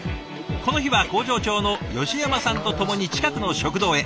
この日は工場長の吉山さんと共に近くの食堂へ。